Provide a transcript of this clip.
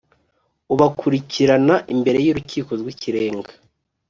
ubakurikirana imbere y’urukiko rw’ikirenga